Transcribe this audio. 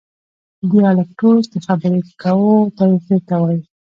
ډیالکټوس د خبري کوو طریقې ته وایي.